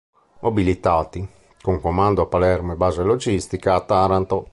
Mobilitati, con comando a Palermo e base logistica a Taranto.